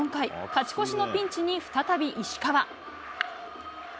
勝ち越しのピンチに、再び石川。